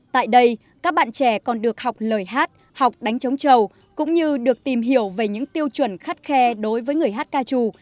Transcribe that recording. tại đây các bạn trẻ còn được học lời hát học đánh chống trầu cũng như được tìm hiểu về những tiêu chuẩn khắt khe đối với người hát ca trù